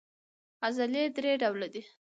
عضلې درې ډوله دي.